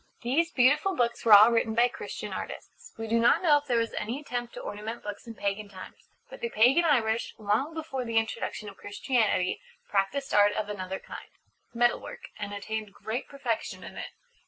These beautiful books were all written by Christian artists. We do not know if there was any attempt to ornament books in pagan times. But the pagan Irish, long before the introduction of Christianity, practised art of another kind Metal work and attained great perfection in it.